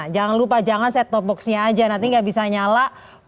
jangan lupa jangan set top boxnya aja nanti gak bisa nyala